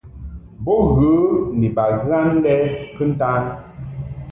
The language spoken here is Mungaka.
Bo ghə ni baghan lɛ kɨntan.